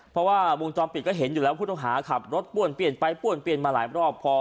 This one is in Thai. เพราะว่าวงค์จอมปริกเห็นอยู่แล้วว่าคุณต้องขาขับรถป้วนเปลี่ยนไปมาหลายรอบ